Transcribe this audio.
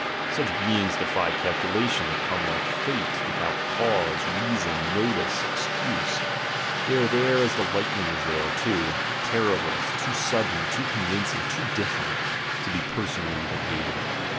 Such beings defy calculation, they come like fate, without cause, reason, notice, excuse, they are there as the lightning is there, too terrible, too sudden, too convincing, too "dif ferent," to be personally even hated.